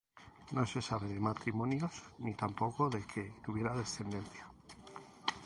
No se sabe de matrimonios ni tampoco de que tuviera descendencia.